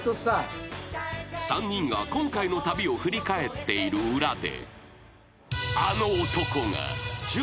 ［３人が今回の旅を振り返っている裏で］